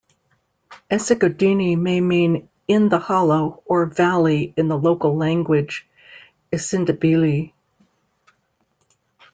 Esigodini may mean "in the hollow" or valley in the local language IsiNdebele.